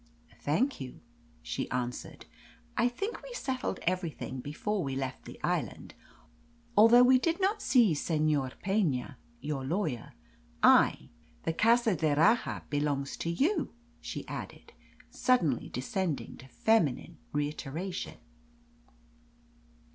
"Thank you," she answered; "I think we settled everything before we left the island, although we did not see Senor Pena, your lawyer. I the Casa d'Erraha belongs to you!" she added, suddenly descending to feminine reiteration.